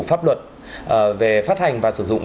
pháp luật về phát hành và sử dụng